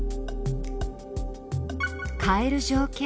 変える条件